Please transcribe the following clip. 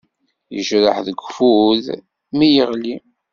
Yejreḥ deg ufud mi yeɣli.